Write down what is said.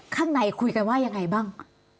ข้างในคุยกันว่ายังไงบ้าง